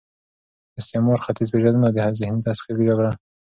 استعمار، ختیځ پېژندنه او د ذهني تسخیر جګړه